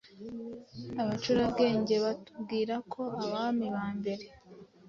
Abacurabwenge batubwira ko Abami ba mbere